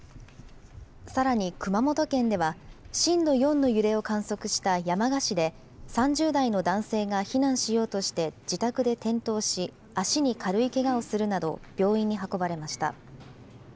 さらに熊本県では、震度４の揺れを観測した山鹿市で３０代の男性が避難しようとして自宅で転倒し、足に軽いけがをするなど、病院に運ばれました。